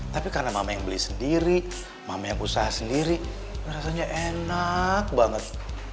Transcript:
tapi karena mama yang beli sendiri mama yang usaha sendiri rasanya enak banget